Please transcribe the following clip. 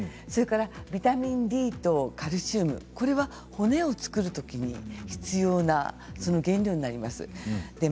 それからビタミンＤとカルシウムこれは骨を作るときに必要な原料になります。